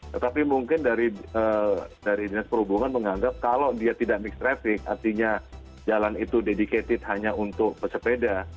tetapi mungkin dari dinas perhubungan menganggap kalau dia tidak mix traffic artinya jalan itu dedicated hanya untuk pesepeda